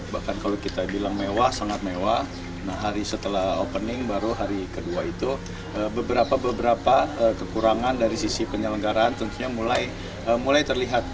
beberapa beberapa kekurangan dari sisi penyelenggaraan tentunya mulai terlihat